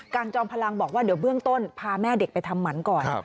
จอมพลังบอกว่าเดี๋ยวเบื้องต้นพาแม่เด็กไปทำหมันก่อน